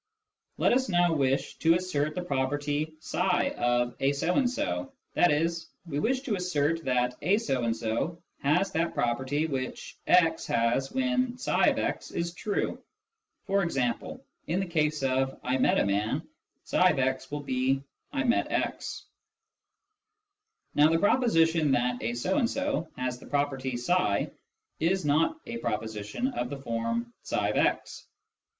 Let us now wish to assert the property of " a so and so," i.e. we wish to assert that " a so and so " has that property which x has when tfix is true. (E.g. in the case of " I met a man," tfsx will be " I met x") Now the proposition that " a so and so " has the property tfi is not a proposition of the form " iftx."